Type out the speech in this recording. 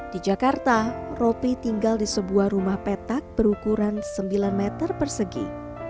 di jakarta ropi tinggal di sebuah rumah petak berukuran sembilan meter persegi